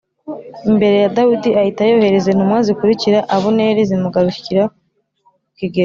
Imbere ya dawidi ahita yohereza intumwa zikurikira abuneri zimugarurira ku kigega